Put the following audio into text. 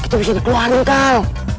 kita bisa dikeluarin kal